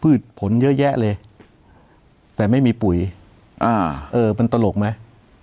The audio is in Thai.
ผลเยอะแยะเลยแต่ไม่มีปุ๋ยอ่าเออมันตลกไหม